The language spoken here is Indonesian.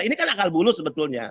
ini kan akal bulus sebetulnya